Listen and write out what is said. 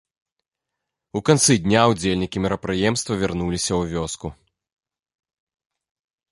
У канцы дня ўдзельнікі мерапрыемства вярнуліся ў вёску.